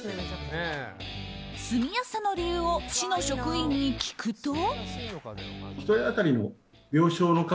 住みやすさの理由を市の職員に聞くと。